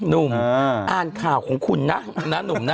หนุ่มอ่านข่าวของคุณนะหนุ่มนะ